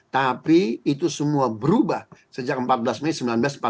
tapi itu semua berubah sejak empat belas mei seribu sembilan ratus empat puluh lima